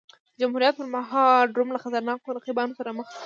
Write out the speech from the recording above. د جمهوریت پرمهال روم له خطرناکو رقیبانو سره مخ شو.